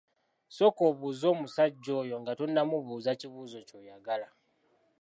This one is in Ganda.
Sooka obuuze omusajja oyo nga tonnamubuuza kibuuzo kyoyagala.